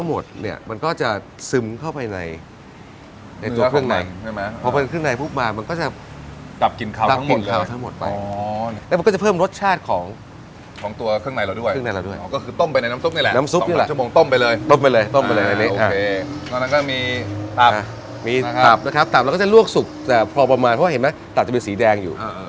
มีตับนะครับตับเราก็จะลวกสุกแต่พอประมาณเพราะว่าเห็นมั้ยตับจะเป็นสีแดงอยู่